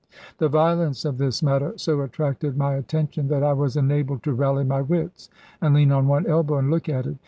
The violence of this matter so attracted my attention that I was enabled to rally my wits, and lean on one elbow and look at it.